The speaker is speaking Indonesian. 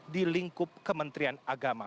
di lingkup kementerian agama